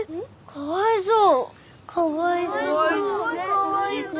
かわいそう。